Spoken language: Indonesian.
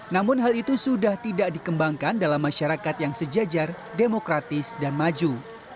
namun hal itu sudah tidak dikembangkan dalam masyarakat yang sejajar demokratis dan maju